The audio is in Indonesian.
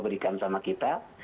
berikan sama kita